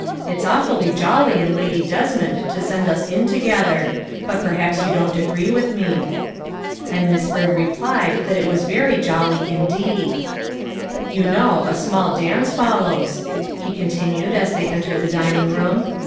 It's awfully jolly in Lady Desmond to send us in together but perhaps you don 't agree with me. '' And Miss Byrd replied that it was very jolly indeed. " You know a small dance follows," he continued as they entered the dining room.